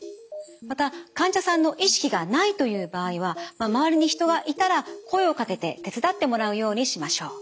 また患者さんの意識がないという場合は周りに人がいたら声をかけて手伝ってもらうようにしましょう。